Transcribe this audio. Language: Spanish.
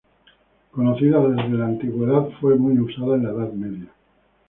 Conocida desde la antigüedad, fue muy usada en la Edad Media.